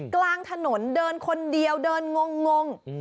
กลางถนนเดินคนเดียวเดินงง